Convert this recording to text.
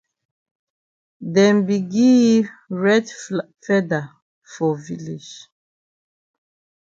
Dem be gi yi red feather for village.